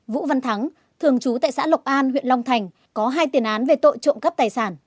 vũ văn thắng thường trú tại xã lộc an huyện long thành có hai tiền án về tội trộm cắp tài sản